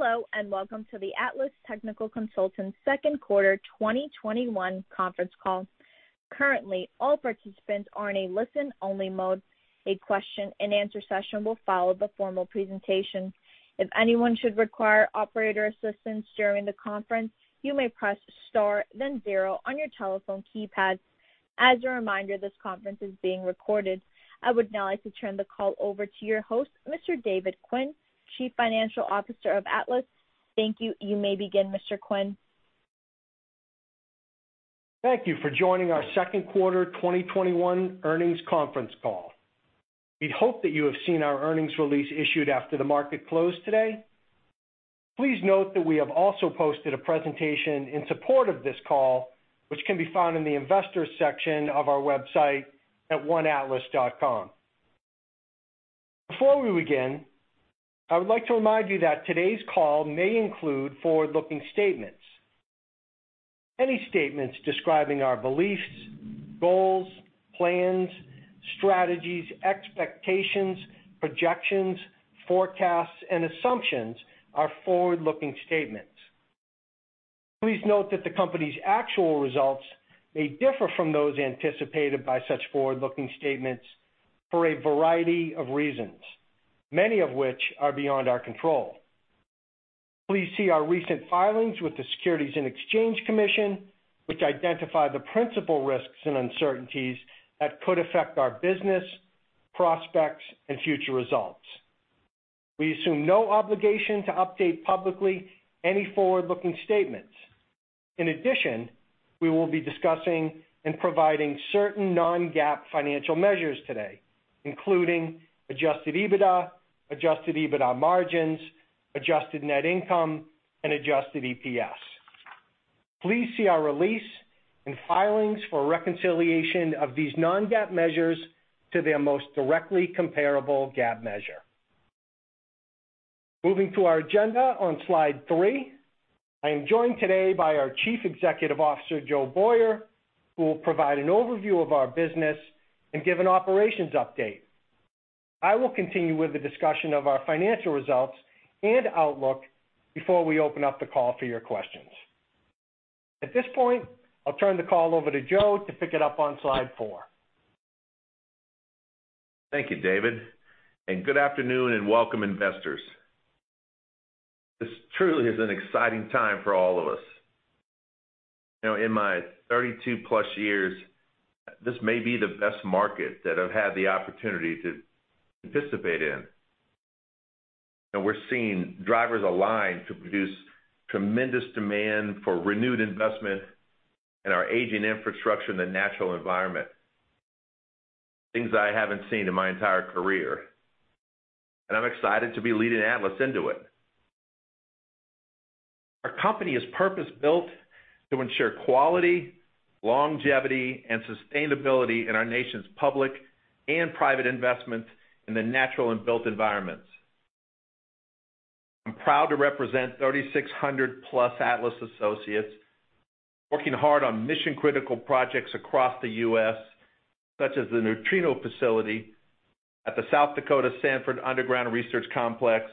I would now like to turn the call over to your host, Mr. David Quinn, Chief Financial Officer of Atlas. Thank you. You may begin, Mr. Quinn. Thank you for joining our second quarter 2021 earnings conference call. We hope that you have seen our earnings release issued after the market closed today. Please note that we have also posted a presentation in support of this call, which can be found in the Investors section of our website at oneatlas.com. Before we begin, I would like to remind you that today's call may include forward-looking statements. Any statements describing our beliefs, goals, plans, strategies, expectations, projections, forecasts, and assumptions are forward-looking statements. Please note that the company's actual results may differ from those anticipated by such forward-looking statements for a variety of reasons, many of which are beyond our control. Please see our recent filings with the Securities and Exchange Commission, which identify the principal risks and uncertainties that could affect our business, prospects, and future results. We assume no obligation to update publicly any forward-looking statements. We will be discussing and providing certain non-GAAP financial measures today, including adjusted EBITDA, adjusted EBITDA margins, adjusted net income, and adjusted EPS. Please see our release and filings for a reconciliation of these non-GAAP measures to their most directly comparable GAAP measure. Moving to our agenda on slide three. I am joined today by our Chief Executive Officer, Joe Boyer, who will provide an overview of our business and give an operations update. I will continue with the discussion of our financial results and outlook before we open up the call for your questions. At this point, I'll turn the call over to Joe to pick it up on slide four. Thank you, David. Good afternoon and welcome, investors. This truly is an exciting time for all of us. In my 32 plus years, this may be the best market that I've had the opportunity to participate in. We're seeing drivers aligned to produce tremendous demand for renewed investment in our aging infrastructure and the natural environment. Things that I haven't seen in my entire career. I'm excited to be leading Atlas into it. Our company is purpose-built to ensure quality, longevity, and sustainability in our nation's public and private investments in the natural and built environments. I'm proud to represent 3,600 plus Atlas associates working hard on mission-critical projects across the U.S., such as the neutrino facility at the Sanford Underground Research Facility,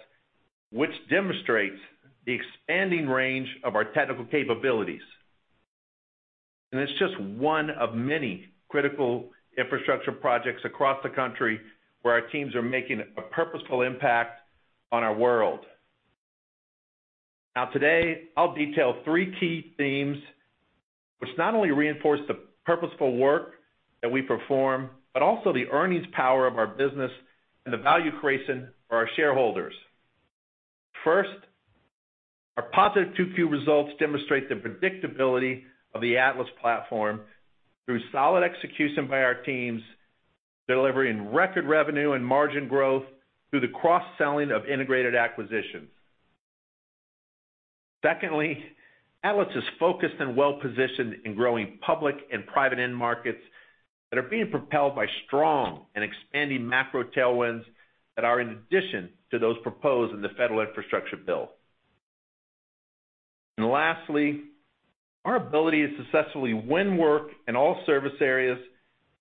which demonstrates the expanding range of our technical capabilities. It's just one of many critical infrastructure projects across the country where our teams are making a purposeful impact on our world. Today, I'll detail 3 key themes, which not only reinforce the purposeful work that we perform, but also the earnings power of our business and the value creation for our shareholders. First, our positive 2Q results demonstrate the predictability of the Atlas platform through solid execution by our teams, delivering record revenue and margin growth through the cross-selling of integrated acquisitions. Secondly, Atlas is focused and well-positioned in growing public and private end markets that are being propelled by strong and expanding macro tailwinds that are in addition to those proposed in the Federal Infrastructure Bill. Lastly, our ability to successfully win work in all service areas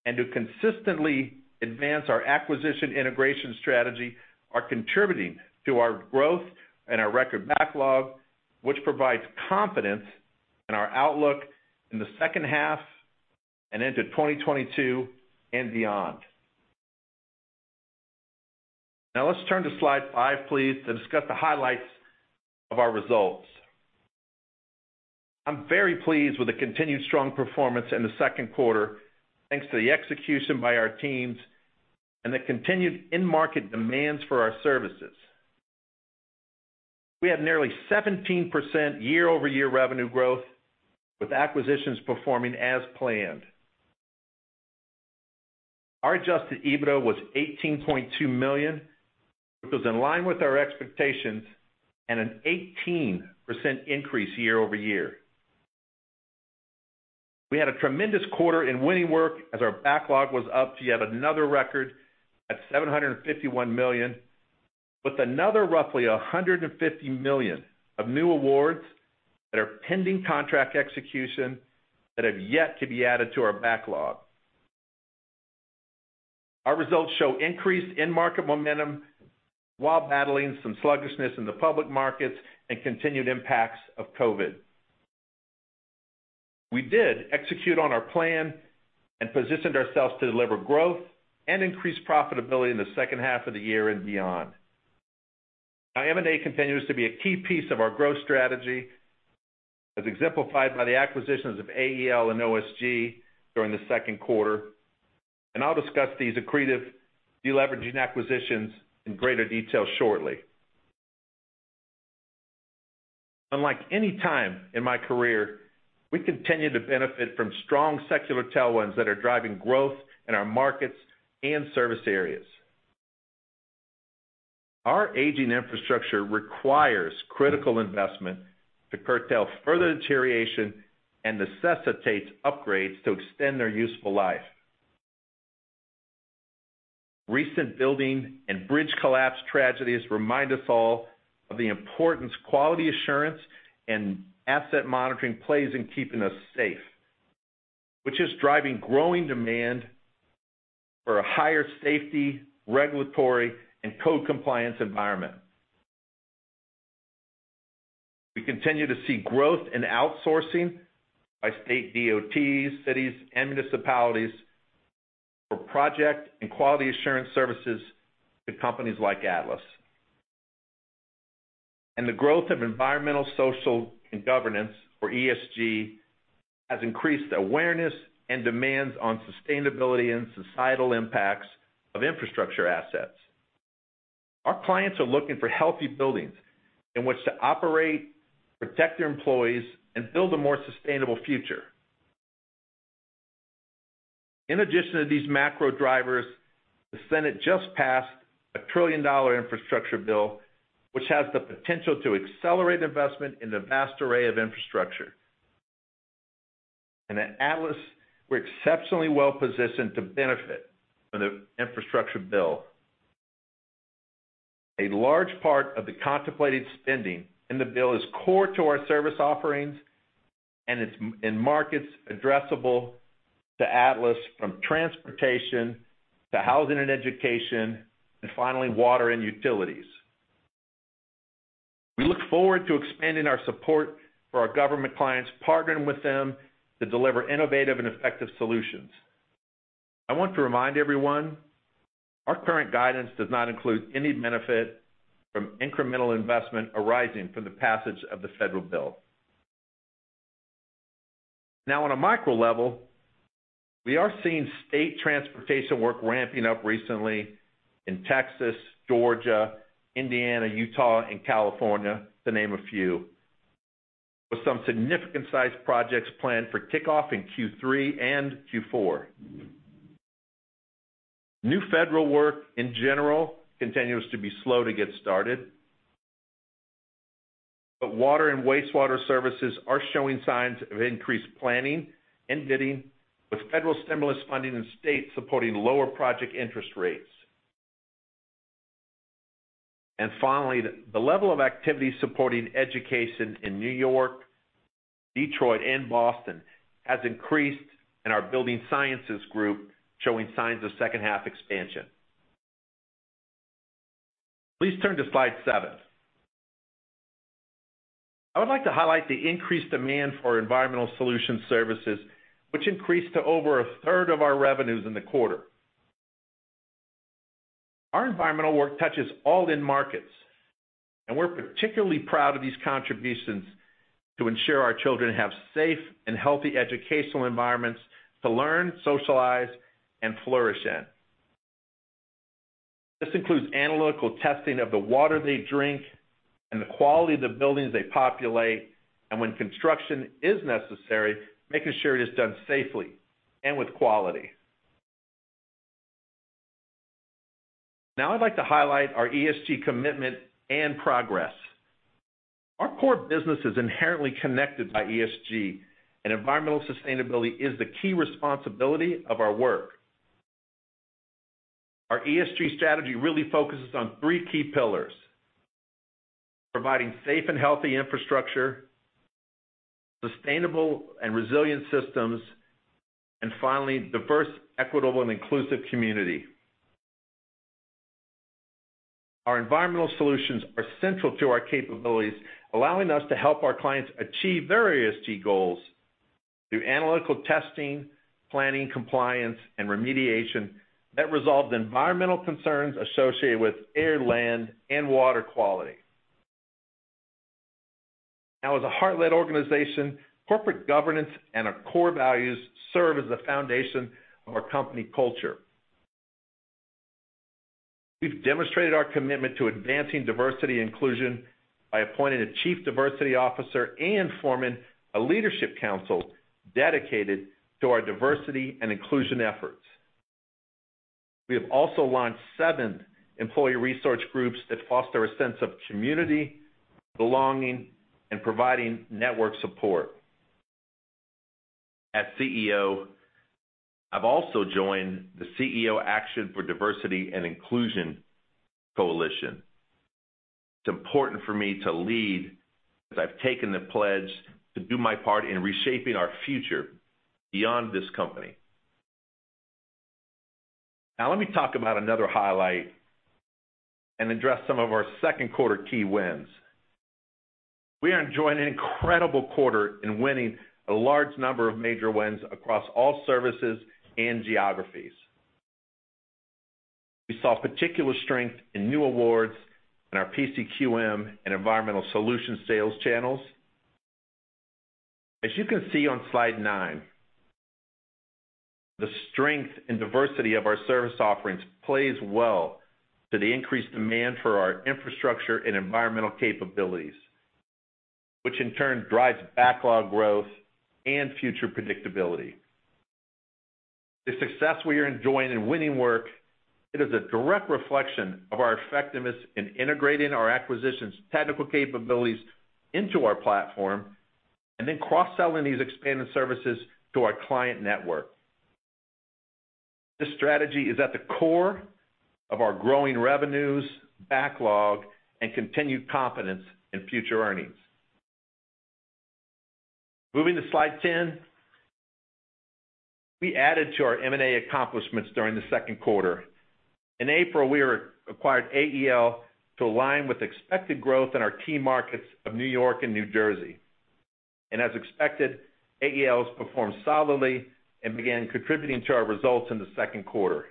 and to consistently advance our acquisition integration strategy are contributing to our growth and our record backlog, which provides confidence in our outlook in the second half and into 2022 and beyond. Now let's turn to slide five, please, to discuss the highlights of our results. I'm very pleased with the continued strong performance in the second quarter, thanks to the execution by our teams and the continued end market demands for our services. We had nearly 17% year-over-year revenue growth, with acquisitions performing as planned. Our adjusted EBITDA was $18.2 million, which was in line with our expectations and an 18% increase year-over-year. We had a tremendous quarter in winning work as our backlog was up to yet another record at $751 million, with another roughly $150 million of new awards that are pending contract execution that have yet to be added to our backlog. Our results show increased end market momentum while battling some sluggishness in the public markets and continued impacts of COVID. We did execute on our plan and positioned ourselves to deliver growth and increase profitability in the second half of the year and beyond. Now, M&A continues to be a key piece of our growth strategy, as exemplified by the acquisitions of AEL and OSG during the second quarter, and I'll discuss these accretive de-leveraging acquisitions in greater detail shortly. Unlike any time in my career, we continue to benefit from strong secular tailwinds that are driving growth in our markets and service areas. Our aging infrastructure requires critical investment to curtail further deterioration and necessitates upgrades to extend their useful life. Recent building and bridge collapse tragedies remind us all of the importance quality assurance and asset monitoring plays in keeping us safe, which is driving growing demand for a higher safety, regulatory, and code compliance environment. We continue to see growth in outsourcing by state DOTs, cities, and municipalities for project and quality assurance services to companies like Atlas. The growth of environmental, social, and governance, or ESG, has increased awareness and demands on sustainability and societal impacts of infrastructure assets. Our clients are looking for healthy buildings in which to operate, protect their employees, and build a more sustainable future. In addition to these macro drivers, the Senate just passed a $1 trillion-dollar infrastructure bill, which has the potential to accelerate investment in the vast array of infrastructure. At Atlas, we're exceptionally well-positioned to benefit from the infrastructure bill. A large part of the contemplated spending in the bill is core to our service offerings, and it's in markets addressable to Atlas from transportation to housing and education, and finally, water and utilities. We look forward to expanding our support for our government clients, partnering with them to deliver innovative and effective solutions. I want to remind everyone, our current guidance does not include any benefit from incremental investment arising from the passage of the federal bill. On a micro level, we are seeing state transportation work ramping up recently in Texas, Georgia, Indiana, Utah, and California, to name a few, with some significant-sized projects planned for kickoff in Q3 and Q4. New federal work, in general, continues to be slow to get started. Water and wastewater services are showing signs of increased planning and bidding, with federal stimulus funding and states supporting lower project interest rates. Finally, the level of activity supporting education in N.Y., Detroit, and Boston has increased in our building sciences group, showing signs of second half expansion. Please turn to slide seven. I would like to highlight the increased demand for environmental solution services, which increased to over a third of our revenues in the quarter. Our environmental work touches all end markets, and we're particularly proud of these contributions to ensure our children have safe and healthy educational environments to learn, socialize, and flourish in. This includes analytical testing of the water they drink and the quality of the buildings they populate, and when construction is necessary, making sure it is done safely and with quality. I'd like to highlight our ESG commitment and progress. Our core business is inherently connected by ESG, and environmental sustainability is the key responsibility of our work. Our ESG strategy really focuses on three key pillars: providing safe and healthy infrastructure, sustainable and resilient systems, and finally, diverse, equitable, and inclusive community. Our environmental solutions are central to our capabilities, allowing us to help our clients achieve their ESG goals through analytical testing, planning, compliance, and remediation that resolves environmental concerns associated with air, land, and water quality. As a heart-led organization, corporate governance and our core values serve as the foundation of our company culture. We've demonstrated our commitment to advancing diversity and inclusion by appointing a chief diversity officer and forming a leadership council dedicated to our diversity and inclusion efforts. We have also launched seven employee resource groups that foster a sense of community, belonging, and providing network support. As CEO, I've also joined the CEO Action for Diversity & Inclusion coalition. It's important for me to lead, as I've taken the pledge to do my part in reshaping our future beyond this company. Let me talk about another highlight and address some of our second quarter key wins. We are enjoying an incredible quarter in winning a large number of major wins across all services and geographies. We saw particular strength in new awards in our PCQM and environmental solution sales channels. As you can see on slide 9, the strength and diversity of our service offerings plays well to the increased demand for our infrastructure and environmental capabilities, which in turn drives backlog growth and future predictability. The success we are enjoying in winning work, it is a direct reflection of our effectiveness in integrating our acquisitions' technical capabilities into our platform, and then cross-selling these expanded services to our client network. This strategy is at the core of our growing revenues, backlog, and continued confidence in future earnings. Moving to slide 10. We added to our M&A accomplishments during the second quarter. In April, we acquired AEL to align with expected growth in our key markets of New York and New Jersey. As expected, AEL's performed solidly and began contributing to our results in the second quarter.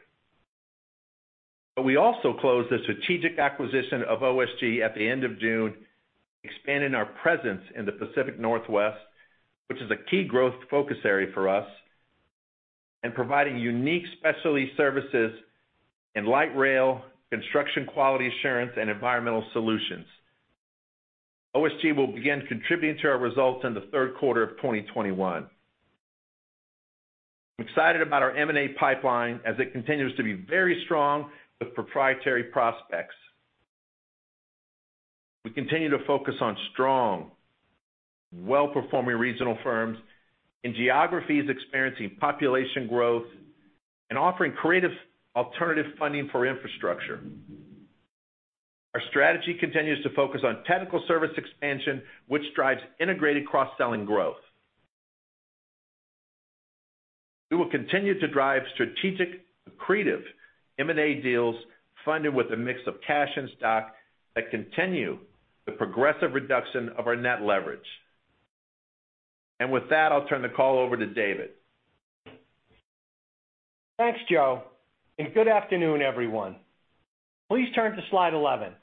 We also closed the strategic acquisition of OSG at the end of June, expanding our presence in the Pacific Northwest, which is a key growth focus area for us, and providing unique specialty services in light rail, construction quality assurance, and environmental solutions. OSG will begin contributing to our results in the third quarter of 2021. I'm excited about our M&A pipeline as it continues to be very strong with proprietary prospects. We continue to focus on strong, well-performing regional firms in geographies experiencing population growth and offering creative alternative funding for infrastructure. Our strategy continues to focus on technical service expansion, which drives integrated cross-selling growth. We will continue to drive strategic, accretive M&A deals funded with a mix of cash and stock that continue the progressive reduction of our net leverage. With that, I'll turn the call over to David. Thanks, Joe, and good afternoon, everyone. Please turn to slide 11.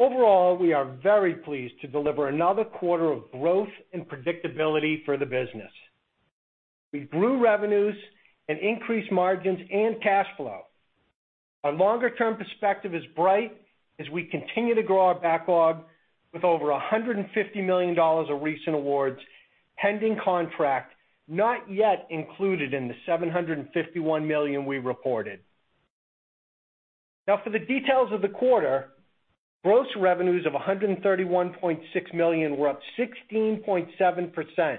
Overall, we are very pleased to deliver another quarter of growth and predictability for the business. We grew revenues and increased margins and cash flow. Our longer-term perspective is bright as we continue to grow our backlog with over $150 million of recent awards pending contract, not yet included in the $751 million we reported. Now for the details of the quarter, gross revenues of $131.6 million were up 16.7%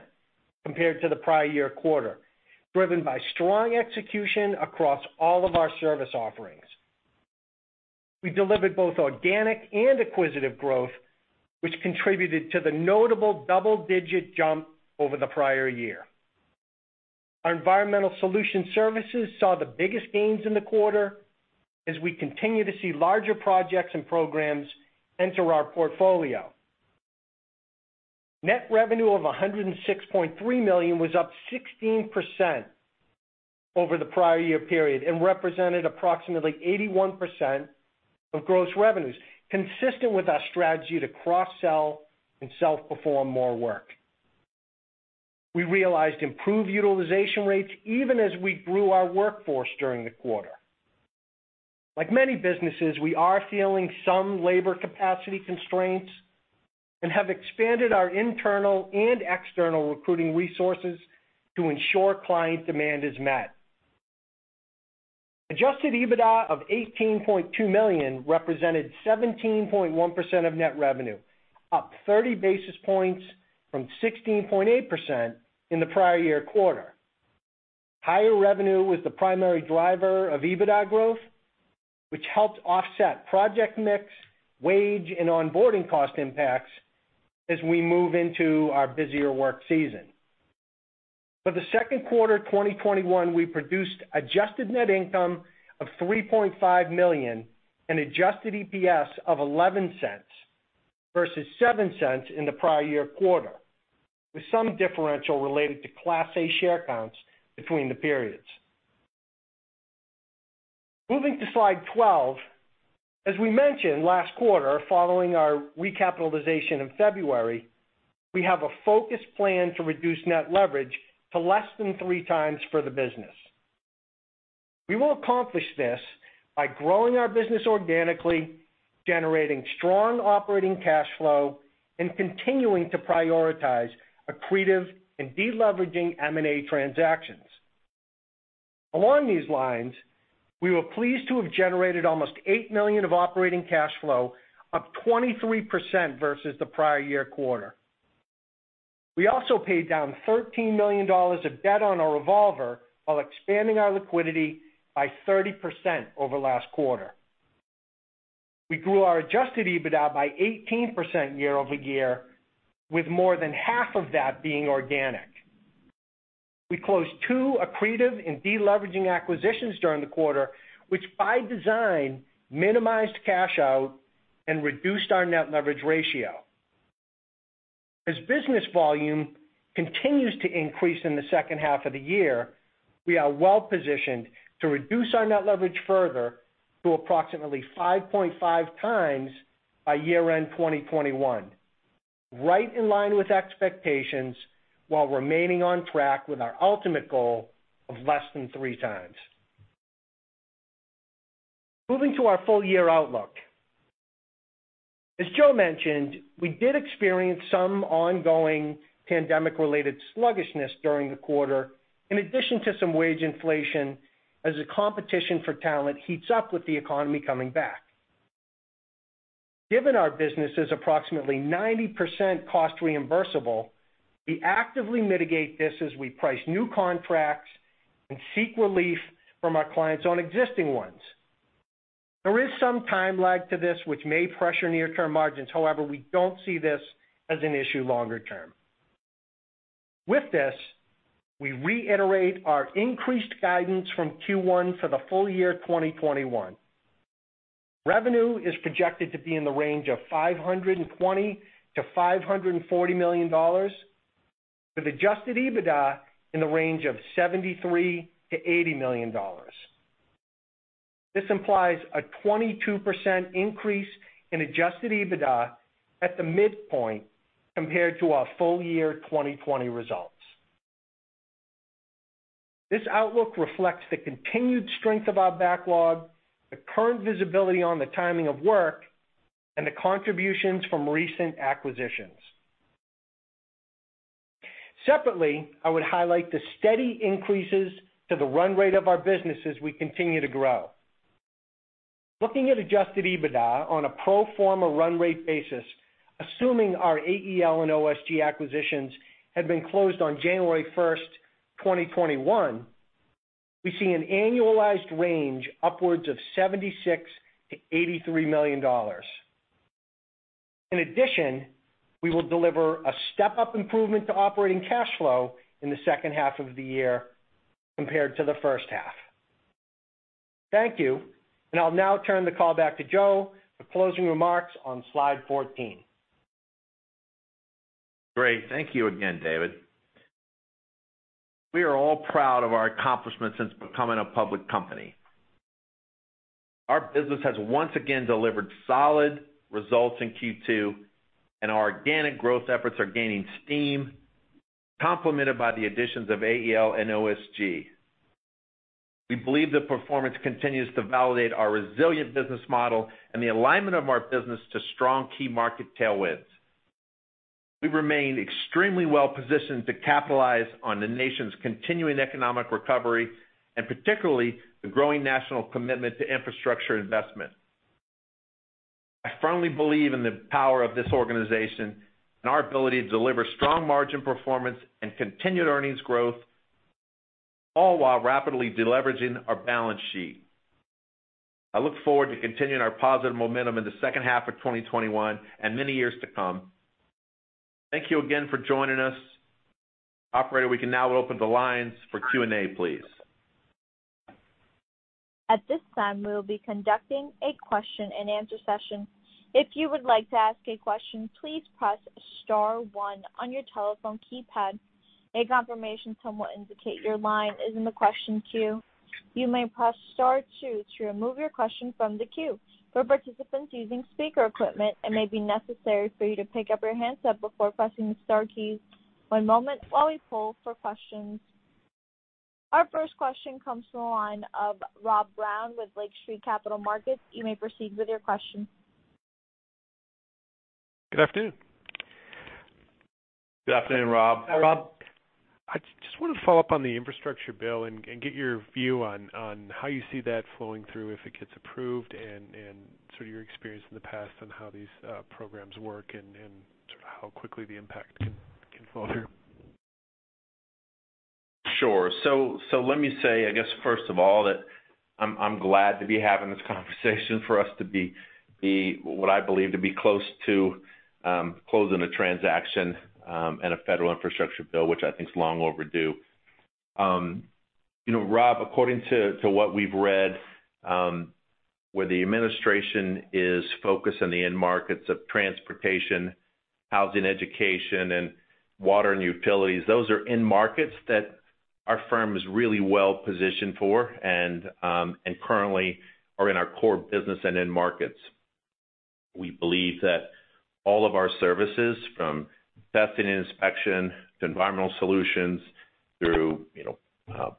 compared to the prior year quarter, driven by strong execution across all of our service offerings. We delivered both organic and acquisitive growth, which contributed to the notable double-digit jump over the prior year. Our environmental solution services saw the biggest gains in the quarter as we continue to see larger projects and programs enter our portfolio. Net revenue of $106.3 million was up 16% over the prior year period and represented approximately 81% of gross revenues, consistent with our strategy to cross-sell and self-perform more work. We realized improved utilization rates even as we grew our workforce during the quarter. Like many businesses, we are feeling some labor capacity constraints and have expanded our internal and external recruiting resources to ensure client demand is met. Adjusted EBITDA of $18.2 million represented 17.1% of net revenue, up 30 basis points from 16.8% in the prior year quarter. Higher revenue was the primary driver of EBITDA growth, which helped offset project mix, wage, and onboarding cost impacts as we move into our busier work season. For the second quarter 2021, we produced adjusted net income of $3.5 million and adjusted EPS of $0.11 versus $0.07 in the prior year quarter, with some differential related to Class A share counts between the periods. Moving to slide 12. As we mentioned last quarter, following our recapitalization in February, we have a focused plan to reduce net leverage to less than 3 times for the business. We will accomplish this by growing our business organically, generating strong operating cash flow, and continuing to prioritize accretive and deleveraging M&A transactions. Along these lines, we were pleased to have generated almost $8 million of operating cash flow, up 23% versus the prior year quarter. We also paid down $13 million of debt on our revolver while expanding our liquidity by 30% over last quarter. We grew our adjusted EBITDA by 18% year-over-year, with more than half of that being organic. We closed two accretive and de-leveraging acquisitions during the quarter, which by design minimized cash out and reduced our net leverage ratio. As business volume continues to increase in the second half of the year, we are well-positioned to reduce our net leverage further to approximately 5.5 times by year-end 2021, right in line with expectations, while remaining on track with our ultimate goal of less than three times. Moving to our full-year outlook. As Joe mentioned, we did experience some ongoing pandemic-related sluggishness during the quarter, in addition to some wage inflation as the competition for talent heats up with the economy coming back. Given our business is approximately 90% cost reimbursable, we actively mitigate this as we price new contracts and seek relief from our clients on existing ones. There is some time lag to this, which may pressure near-term margins. However, we don't see this as an issue longer term. With this, we reiterate our increased guidance from Q1 for the full year 2021. Revenue is projected to be in the range of $520 million-$540 million, with adjusted EBITDA in the range of $73 million-$80 million. This implies a 22% increase in adjusted EBITDA at the midpoint compared to our full year 2020 results. This outlook reflects the continued strength of our backlog, the current visibility on the timing of work, and the contributions from recent acquisitions. Separately, I would highlight the steady increases to the run rate of our business as we continue to grow. Looking at adjusted EBITDA on a pro forma run rate basis, assuming our AEL and OSG acquisitions had been closed on January 1st, 2021, we see an annualized range upwards of $76 million-$83 million. In addition, we will deliver a step-up improvement to operating cash flow in the second half of the year compared to the first half. Thank you, and I'll now turn the call back to Joe for closing remarks on slide 14. Great. Thank you again, David. We are all proud of our accomplishments since becoming a public company. Our business has once again delivered solid results in Q2, and our organic growth efforts are gaining steam, complemented by the additions of AEL and OSG. We believe the performance continues to validate our resilient business model and the alignment of our business to strong key market tailwinds. We remain extremely well-positioned to capitalize on the nation's continuing economic recovery and particularly the growing national commitment to infrastructure investment. I firmly believe in the power of this organization and our ability to deliver strong margin performance and continued earnings growth, all while rapidly de-leveraging our balance sheet. I look forward to continuing our positive momentum in the second half of 2021 and many years to come. Thank you again for joining us. Operator, we can now open the lines for Q&A, please. At this time, we will be conducting a question and answer session. If you would like to ask a question, please press star one on your telephone keypad. A confirmation tone will indicate your line is in the question queue. You may press star two to remove your question from the queue. For participants using speaker equipment, it may be necessary for you to pick up your handset before pressing the star keys. One moment while we poll for questions. Our first question comes from the line of Rob Brown with Lake Street Capital Markets. You may proceed with your question. Good afternoon. Good afternoon, Rob. Hi, Rob. I just want to follow up on the infrastructure bill and get your view on how you see that flowing through if it gets approved, and your experience in the past on how these programs work, and how quickly the impact can flow through. Sure. Let me say, I guess, first of all, that I'm glad to be having this conversation for us to be what I believe to be close to closing a transaction and a federal Infrastructure Bill, which I think is long overdue. Rob, according to what we've read, where the administration is focused on the end markets of transportation, housing, education, and water and utilities. Those are end markets that our firm is really well-positioned for and currently are in our core business and end markets. We believe that all of our services, from testing and inspection to environmental solutions through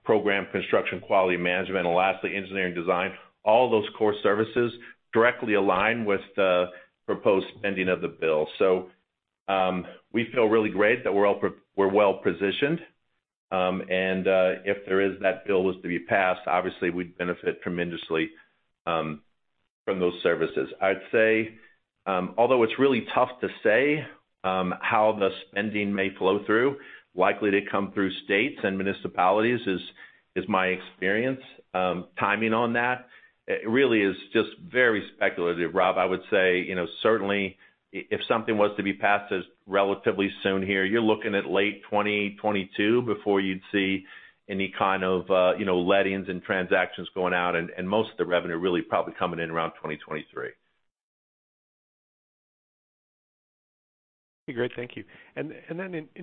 program construction, quality management, and lastly, engineering design. All those core services directly align with the proposed spending of the bill. We feel really great that we're well-positioned. If that bill was to be passed, obviously, we'd benefit tremendously from those services. I'd say, although it's really tough to say how the spending may flow through, likely to come through states and municipalities is my experience. Timing on that really is just very speculative, Rob. I would say, certainly, if something was to be passed as relatively soon here, you're looking at late 2022 before you'd see any kind of lettings and transactions going out, and most of the revenue really probably coming in around 2023. Great. Thank you. Then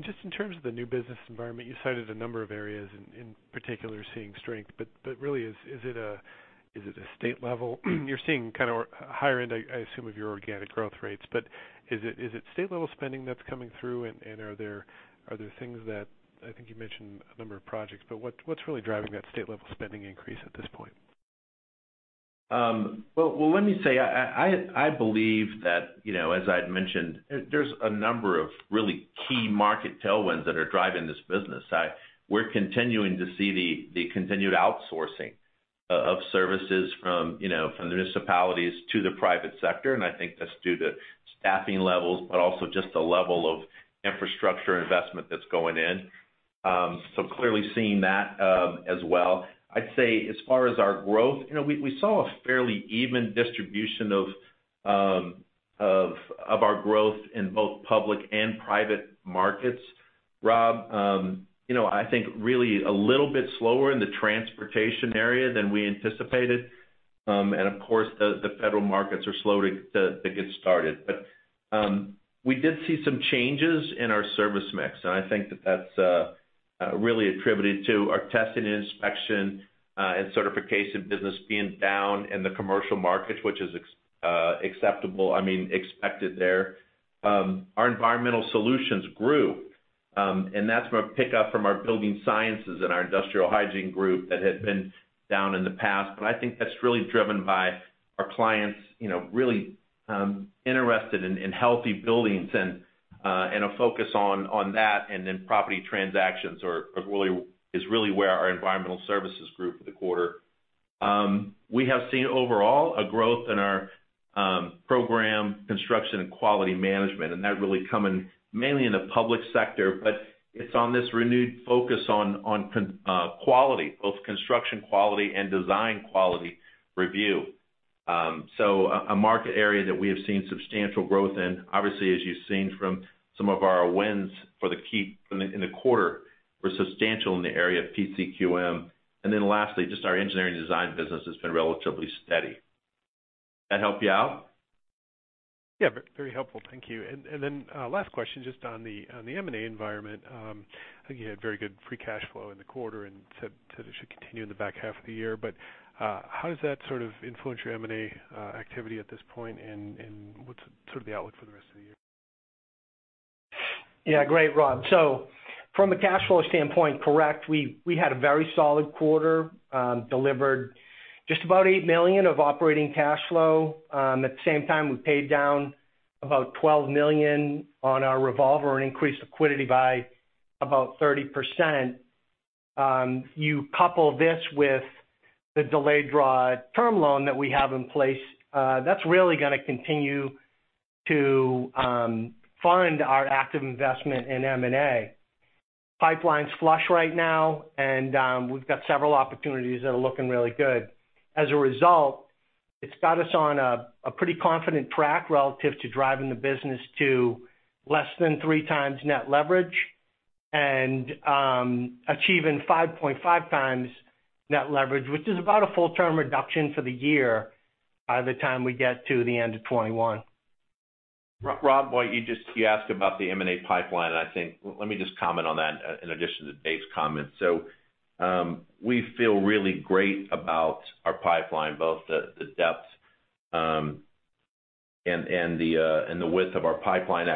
just in terms of the new business environment, you cited a number of areas in particular seeing strength, but really, is it a state level? You're seeing kind of higher end, I assume, of your organic growth rates, but is it state-level spending that's coming through, and are there things that, I think you mentioned a number of projects, but what's really driving that state-level spending increase at this point? Well, let me say, I believe that, as I'd mentioned, there's a number of really key market tailwinds that are driving this business. We're continuing to see the continued outsourcing of services from the municipalities to the private sector, and I think that's due to staffing levels, but also just the level of infrastructure investment that's going in. Clearly seeing that as well. I'd say as far as our growth, we saw a fairly even distribution of our growth in both public and private markets, Rob. I think really a little bit slower in the transportation area than we anticipated. Of course, the federal markets are slow to get started. We did see some changes in our service mix, and I think that that's really attributed to our test and inspection and certification business being down in the commercial markets, which is acceptable, I mean, expected there. Our environmental solutions grew, that's from a pickup from our building sciences and our industrial hygiene group that had been down in the past. I think that's really driven by our clients really interested in healthy buildings and a focus on that, property transactions is really where our environmental services grew for the quarter. We have seen overall a growth in our program construction and quality management, that really coming mainly in the public sector, it's on this renewed focus on quality, both construction quality and design quality review. A market area that we have seen substantial growth in. Obviously, as you've seen from some of our wins in the quarter, we're substantial in the area of PCQM. Lastly, just our engineering design business has been relatively steady. That help you out? Yeah, very helpful. Thank you. Last question, just on the M&A environment. I think you had very good free cash flow in the quarter and said it should continue in the back half of the year, but how does that sort of influence your M&A activity at this point, and what's sort of the outlook for the rest of the year? Great, Rob. From a cash flow standpoint, correct. We had a very solid quarter, delivered just about $8 million of operating cash flow. At the same time, we paid down about $12 million on our revolver and increased liquidity by about 30%. You couple this with the delayed draw term loan that we have in place, that's really going to continue to fund our active investment in M&A. Pipeline's flush right now, we've got several opportunities that are looking really good. As a result, it's got us on a pretty confident track relative to driving the business to less than 3x net leverage and achieving 5.5x net leverage, which is about a full-term reduction for the year by the time we get to the end of 2021. Rob, while you asked about the M&A pipeline, I think, let me just comment on that in addition to Dave's comments. We feel really great about our pipeline, both the depth and the width of our pipeline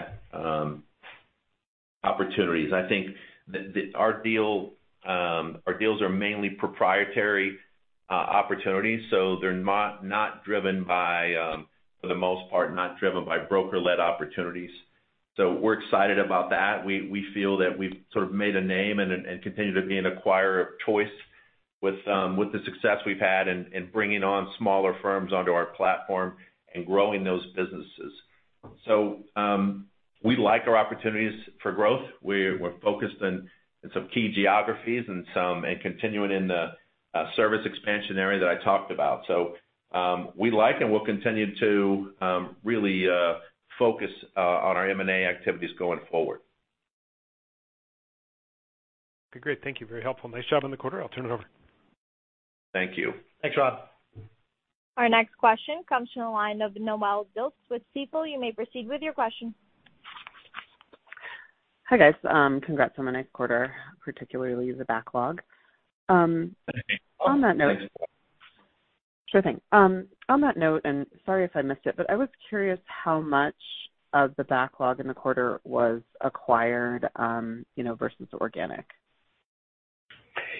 opportunities. I think our deals are mainly proprietary opportunities, they're, for the most part, not driven by broker-led opportunities. We're excited about that. We feel that we've sort of made a name and continue to be an acquirer of choice with the success we've had in bringing on smaller firms onto our platform and growing those businesses. We like our opportunities for growth. We're focused on some key geographies and continuing in the service expansion area that I talked about. We like and will continue to really focus on our M&A activities going forward. Okay, great. Thank you. Very helpful. Nice job on the quarter. I'll turn it over. Thank you. Thanks, Rob. Our next question comes from the line of Noelle Dilts with Stifel. You may proceed with your question. Hi, guys. Congrats on a nice quarter, particularly the backlog. Thank you. On that note. Can you pull that in? Sure thing. On that note, and sorry if I missed it, but I was curious how much of the backlog in the quarter was acquired versus organic?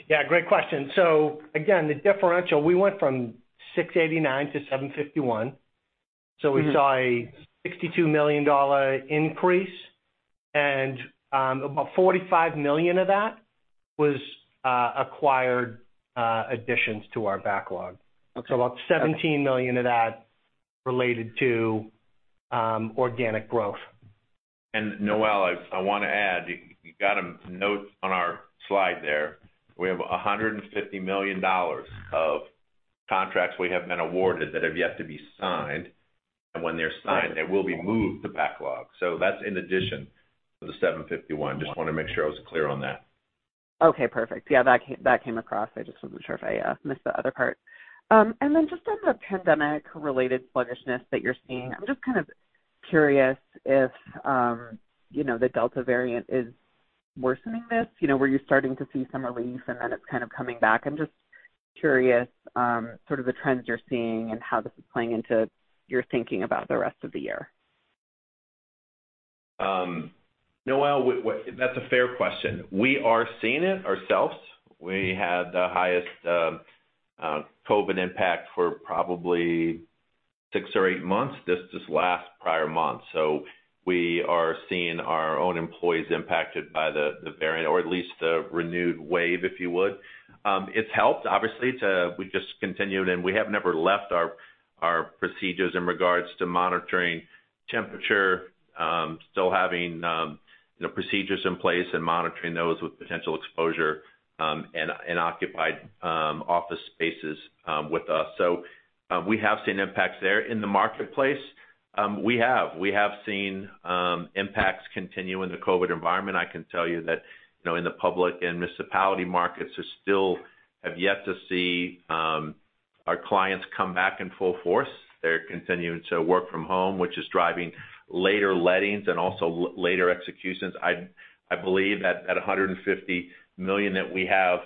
Yeah, great question. Again, the differential, we went from $689 million to $751 million. We saw a $62 million increase, and about $45 million of that was acquired additions to our backlog. Okay. About $17 million of that related to organic growth. Noelle, I want to add, you got a note on our slide there. We have $150 million of contracts we have been awarded that have yet to be signed, and when they're signed, they will be moved to backlog. That's in addition to the $751. Just want to make sure I was clear on that. Okay, perfect. Yeah, that came across. I just wasn't sure if I missed the other part. Just on the pandemic-related sluggishness that you're seeing, I'm just kind of curious if the Delta variant is worsening this. Were you starting to see some relief and then it's kind of coming back? I'm just curious, sort of the trends you're seeing and how this is playing into your thinking about the rest of the year. Noelle, that's a fair question. We are seeing it ourselves. We had the highest COVID impact for probably 6 or 8 months, this just last prior month. We are seeing our own employees impacted by the variant, or at least the renewed wave, if you would. It's helped, obviously, We've just continued, and we have never left our procedures in regards to monitoring temperature, still having procedures in place and monitoring those with potential exposure, and occupied office spaces with us. We have seen impacts there. In the marketplace, we have. We have seen impacts continue in the COVID environment. I can tell you that in the public and municipality markets are still have yet to see our clients come back in full force. They're continuing to work from home, which is driving later lettings and also later executions. I believe that that $150 million that we have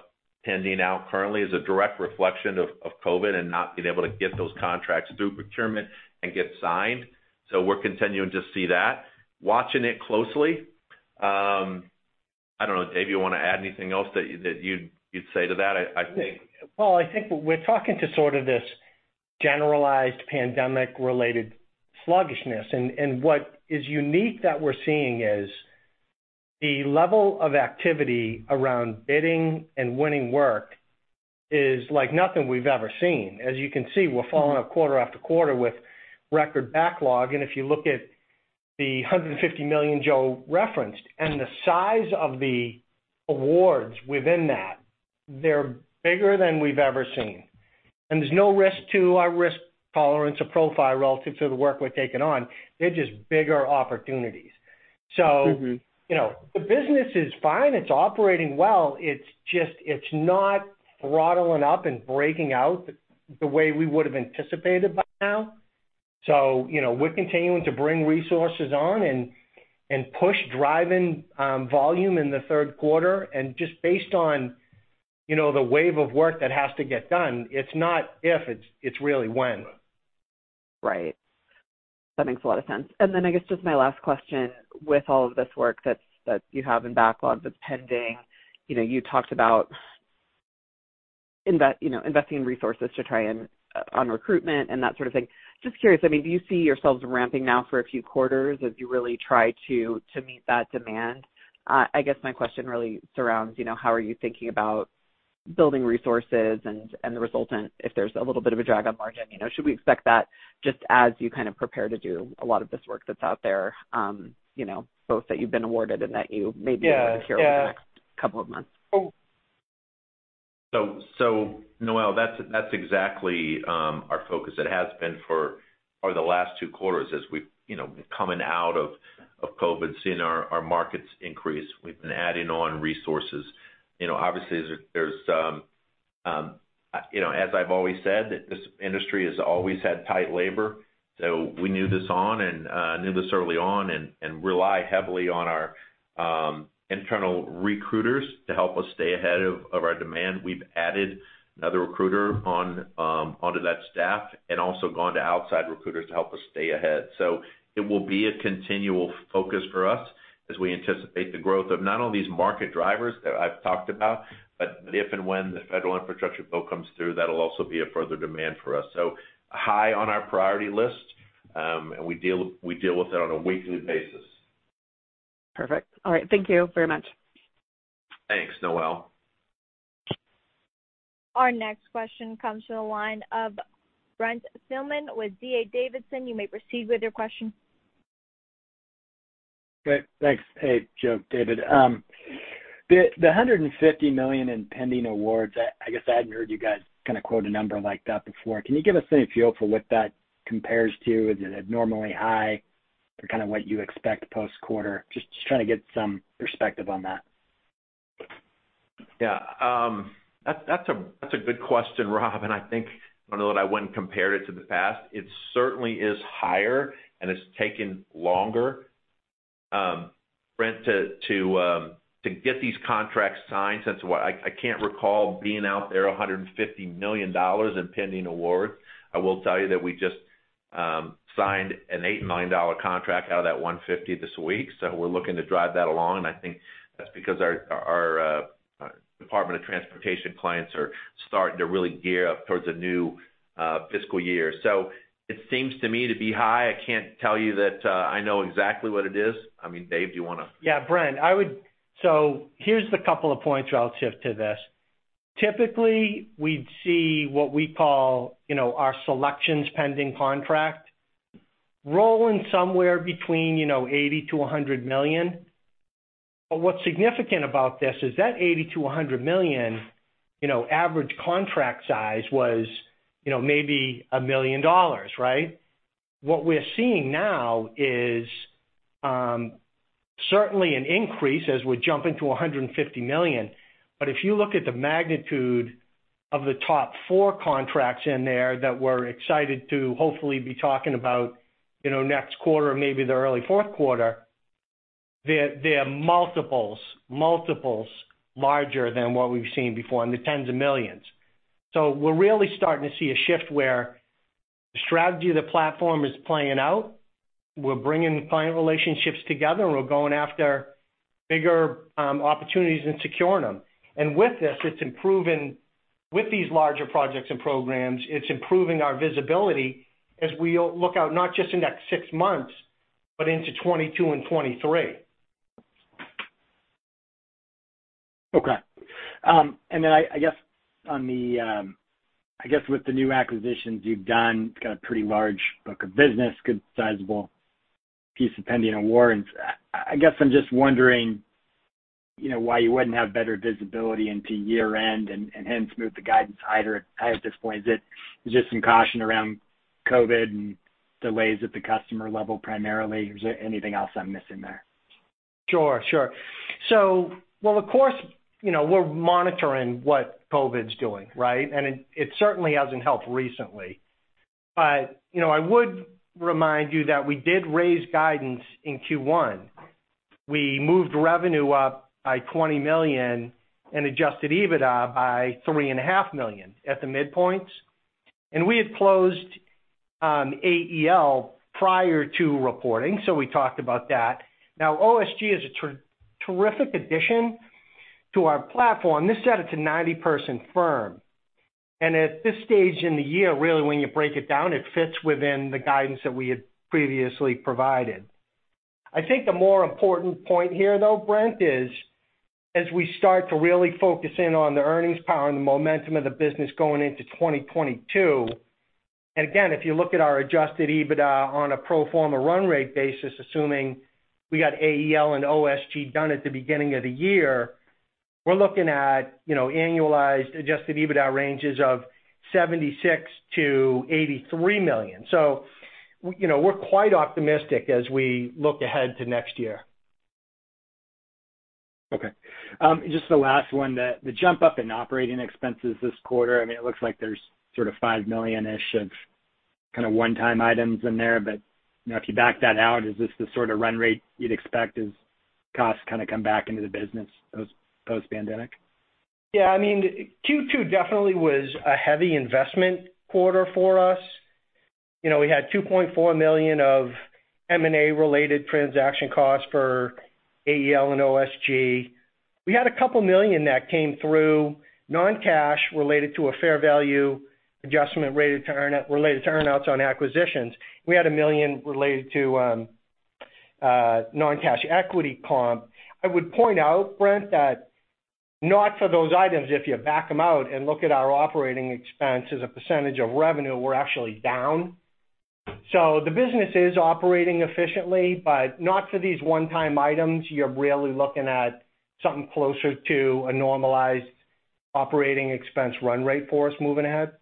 pending out currently is a direct reflection of COVID and not being able to get those contracts through procurement and get signed. We're continuing to see that. Watching it closely. I don't know, Dave, you want to add anything else that you'd say to that? Well, I think we're talking to sort of this generalized pandemic-related sluggishness. What is unique that we're seeing is the level of activity around bidding and winning work is like nothing we've ever seen. As you can see, we're following up quarter after quarter with record backlog. If you look at the $150 million Joe referenced and the size of the awards within that, they're bigger than we've ever seen. There's no risk to our risk tolerance or profile relative to the work we're taking on. They're just bigger opportunities. The business is fine. It's operating well. It's just, it's not throttling up and breaking out the way we would've anticipated by now. We're continuing to bring resources on and push driving volume in the third quarter, and just based on the wave of work that has to get done, it's not if, it's really when. Right. That makes a lot of sense. Then I guess just my last question, with all of this work that you have in backlog that's pending, you talked about investing resources to try and on recruitment and that sort of thing. Just curious, I mean, do you see yourselves ramping now for a few quarters as you really try to meet that demand? I guess my question really surrounds how are you thinking about building resources and the resultant if there's a little bit of a drag on margin. Should we expect that just as you kind of prepare to do a lot of this work that's out there, both that you've been awarded? Yeah secure over the next couple of months? Noelle, that's exactly our focus. It has been for the last two quarters as we've, coming out of COVID, seeing our markets increase, we've been adding on resources. Obviously, as I've always said, this industry has always had tight labor, we knew this early on and rely heavily on our internal recruiters to help us stay ahead of our demand. We've added another recruiter onto that staff and also gone to outside recruiters to help us stay ahead. It will be a continual focus for us as we anticipate the growth of not only these market drivers that I've talked about, but if and when the federal infrastructure bill comes through, that'll also be a further demand for us. High on our priority list, and we deal with that on a weekly basis. Perfect. All right. Thank you very much. Thanks, Noelle. Our next question comes from the line of Brent Thielman with D.A. Davidson. Great. Thanks. Hey, Joe, David. The $150 million in pending awards, I guess I hadn't heard you guys kind of quote a number like that before. Can you give us any feel for what that compares to? Is it abnormally high for kind of what you expect post-quarter? Just trying to get some perspective on that. Yeah. That's a good question, Rob, and I think, although I wouldn't compare it to the past, it certainly is higher, and it's taken longer, Brent, to get these contracts signed since what I can't recall being out there $150 million in pending awards. I will tell you that we just signed an $8 million contract out of that 150 this week. We're looking to drive that along, and I think that's because our Department of Transportation clients are starting to really gear up towards a new fiscal year. It seems to me to be high. I can't tell you that I know exactly what it is. I mean, Dave, do you want to? Yeah, Brent, here's the couple of points relative to this. Typically, we'd see what we call our selections pending contract roll in somewhere between $80 million-$100 million. What's significant about this is that $80 million-$100 million average contract size was maybe $1 million. What we're seeing now is certainly an increase as we jump into $150 million. If you look at the magnitude of the top four contracts in there that we're excited to hopefully be talking about next quarter or maybe the early fourth quarter, they are multiples larger than what we've seen before, in the tens of millions. We're really starting to see a shift where the strategy of the platform is playing out. We're bringing client relationships together, and we're going after bigger opportunities and securing them. With these larger projects and programs, it's improving our visibility as we look out, not just the next 6 months, but into 2022 and 2023. Okay. I guess with the new acquisitions you've done, it's got a pretty large book of business, good sizable piece of pending awards. I guess I'm just wondering why you wouldn't have better visibility into year-end, and hence move the guidance higher at this point. Is it just some caution around COVID and delays at the customer level primarily? Is there anything else I'm missing there? Sure. Well, of course, we're monitoring what COVID's doing. It certainly hasn't helped recently. I would remind you that we did raise guidance in Q1. We moved revenue up by $20 million and adjusted EBITDA by three and a half million at the midpoints. We had closed AEL prior to reporting, so we talked about that. Now, OSG is a terrific addition to our platform. This added to 90-person firm. At this stage in the year, really when you break it down, it fits within the guidance that we had previously provided. I think the more important point here, though, Brent, is as we start to really focus in on the earnings power and the momentum of the business going into 2022. Again, if you look at our adjusted EBITDA on a pro forma run rate basis, assuming we got AEL and OSG done at the beginning of the year, we're looking at annualized adjusted EBITDA ranges of $76 million-$83 million. We're quite optimistic as we look ahead to next year. Okay. Just the last one, the jump up in operating expenses this quarter, it looks like there's sort of $5 million-ish of kind of one-time items in there. If you back that out, is this the sort of run rate you'd expect as costs kind of come back into the business post-pandemic? Yeah, Q2 definitely was a heavy investment quarter for us. We had $2.4 million of M&A related transaction costs for AEL and OSG. We had $2 million that came through non-cash related to a fair value adjustment related to earnouts on acquisitions. We had $1 million related to non-cash equity comp. I would point out, Brent, that net for those items, if you back them out and look at our operating expense as a % of revenue, we're actually down. The business is operating efficiently, but net for these one-time items, you're really looking at something closer to a normalized operating expense run rate for us moving ahead.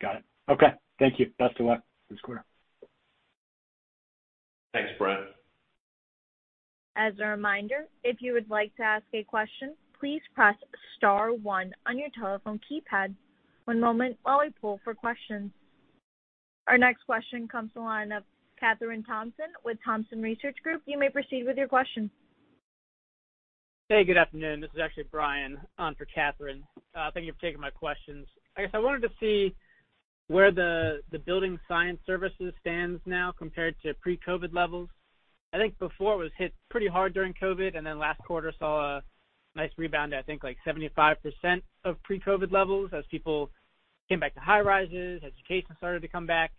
Got it. Okay. Thank you. Best of luck this quarter. Thanks, Brent. As a reminder, if you would like to ask a question, please press star one on your telephone keypad. One moment while we poll for questions. Our next question comes to line of Kathryn Thompson with Thompson Research Group. You may proceed with your question. Hey, good afternoon. This is actually Brian on for Kathryn. Thank you for taking my questions. I guess I wanted to see where the building science services stands now compared to pre-COVID levels. I think before it was hit pretty hard during COVID, and then last quarter saw a nice rebound at, I think, like 75% of pre-COVID levels as people came back to high rises, education started to come back.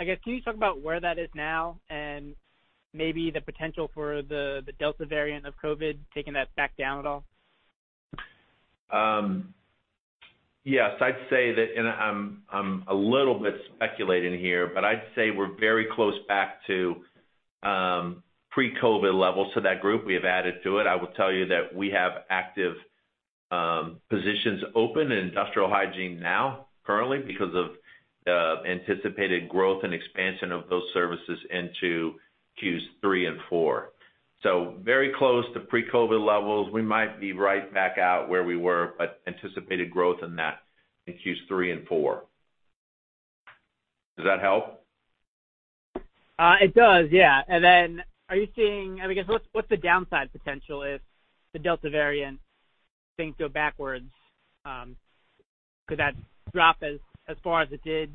I guess, can you talk about where that is now and maybe the potential for the Delta variant of COVID taking that back down at all? Yes, I'd say that, and I'm a little bit speculating here, but I'd say we're very close back to pre-COVID levels to that group. We have added to it. I will tell you that we have active positions open in industrial hygiene now currently because of anticipated growth and expansion of those services into Q3 and Q4. Very close to pre-COVID levels. We might be right back out where we were, but anticipated growth in that in Q3 and Q4. Does that help? It does, yeah. I guess, what's the downside potential if the Delta variant things go backwards? Could that drop as far as it did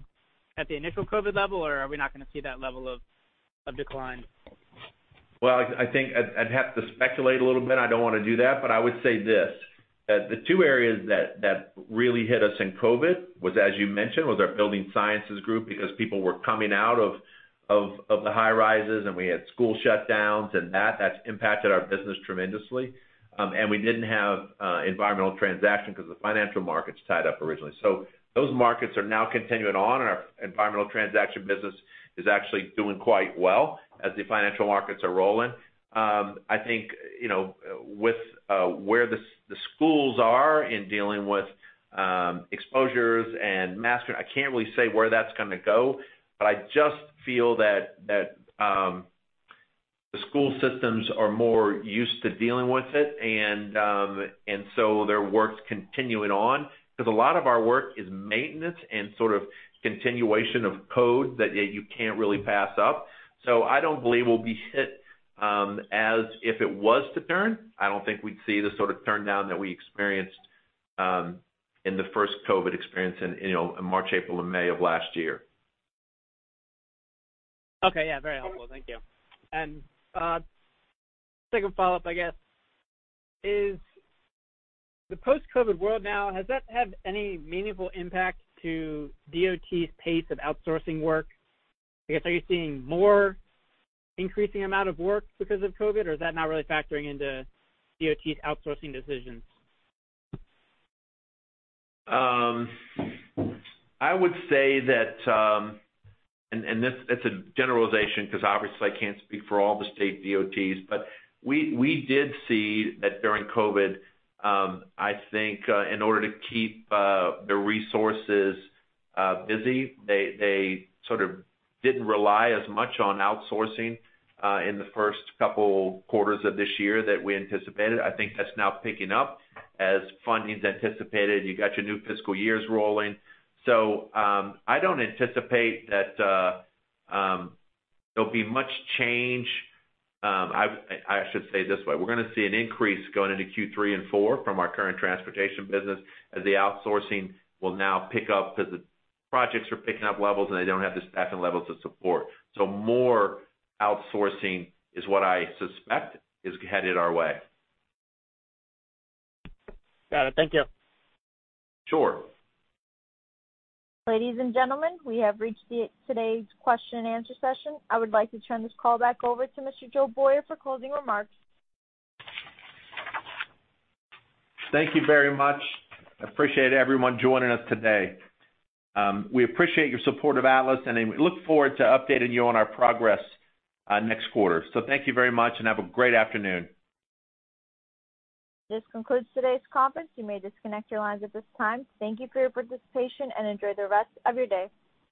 at the initial COVID level or are we not going to see that level of decline? Well, I think I'd have to speculate a little bit. I don't want to do that, but I would say this, that the two areas that really hit us in COVID was, as you mentioned, was our building sciences group, because people were coming out of the high-rises, and we had school shutdowns and that's impacted our business tremendously. We didn't have environmental transaction because the financial market's tied up originally. Those markets are now continuing on, and our environmental transaction business is actually doing quite well as the financial markets are rolling. I think, with where the schools are in dealing with exposures and masking, I can't really say where that's going to go, but I just feel that the school systems are more used to dealing with it, and so their work's continuing on. Because a lot of our work is maintenance and sort of continuation of code that you can't really pass up. I don't believe we'll be hit as if it was to turn. I don't think we'd see the sort of turndown that we experienced in the first COVID experience in March, April, and May of last year. Okay. Yeah, very helpful. Thank you. Second follow-up, I guess, is the post-COVID world now, has that had any meaningful impact to DOTs' pace of outsourcing work? I guess, are you seeing more increasing amount of work because of COVID, or is that not really factoring into DOTs' outsourcing decisions? I would say that, and it's a generalization because obviously I can't speak for all the state DOTs, but we did see that during COVID, I think, in order to keep the resources busy, they sort of didn't rely as much on outsourcing in the first two quarters of this year that we anticipated. I think that's now picking up as funding's anticipated. You got your new fiscal years rolling. I don't anticipate that there'll be much change. I should say it this way. We're going to see an increase going into Q3 and Q4 from our current transportation business as the outsourcing will now pick up because the projects are picking up levels, and they don't have the staffing levels to support. More outsourcing is what I suspect is headed our way. Got it. Thank you. Sure. Ladies and gentlemen, we have reached the today's question and answer session. I would like to turn this call back over to Mr. Joe Boyer for closing remarks. Thank you very much. Appreciate everyone joining us today. We appreciate your support of Atlas, and we look forward to updating you on our progress next quarter. Thank you very much and have a great afternoon. This concludes today's conference. You may disconnect your lines at this time. Thank you for your participation and enjoy the rest of your day.